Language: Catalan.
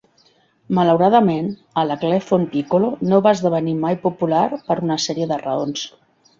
Malauradament, el hecklefon pícolo no va esdevenir mai popular, per una sèrie de raons.